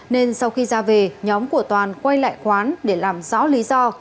nên sau khi ra về nhóm của toàn quay lại quán để làm rõ lý do